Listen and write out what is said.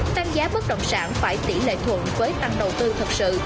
tăng giá bất động sản phải tỷ lệ thuận với tăng đầu tư thật sự